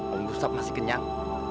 om gustaf masih kenyang